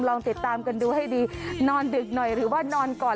ลองติดตามกันดูให้ดีนอนดึกหน่อยหรือว่านอนก่อน